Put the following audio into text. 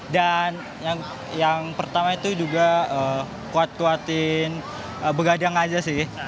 dan yang pertama itu juga kuat kuatin begadang aja sih